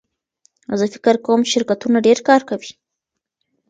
زه فکر کوم چې شرکتونه ډېر کار کوي.